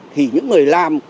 thì những người làm